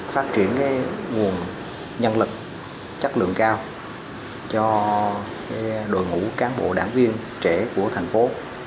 phát triển nguồn nhân lực chất lượng cao cho đội ngũ cán bộ đảng viên trẻ của thành phố